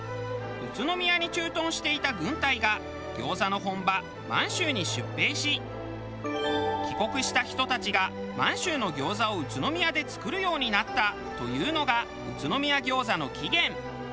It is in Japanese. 宇都宮に駐屯していた軍隊が餃子の本場満州に出兵し帰国した人たちが満州の餃子を宇都宮で作るようになったというのが宇都宮餃子の起源。